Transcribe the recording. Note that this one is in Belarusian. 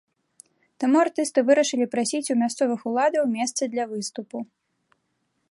Таму артысты вырашылі прасіць у мясцовых уладаў месца для выступу.